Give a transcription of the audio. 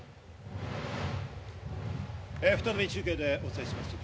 再び中継でお伝えします。